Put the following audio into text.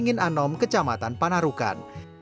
yang ingin anom kecamatan panarukan